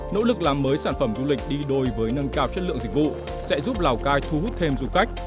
nỗ lực làm mới sản phẩm du lịch đi đôi với nâng cao chất lượng dịch vụ sẽ giúp lào cai thu hút thêm du khách